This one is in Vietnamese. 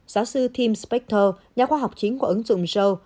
giáo sư tim spector nhà khoa học chính của ứng dụng joe